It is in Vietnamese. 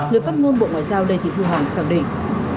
lời phát ngôn bộ ngoại giao đề thị thu hồng khẳng định